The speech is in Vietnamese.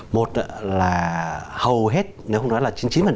một là hầu hết nếu không nói là chín mươi chín